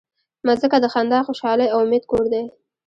مځکه د خندا، خوشحالۍ او امید کور دی.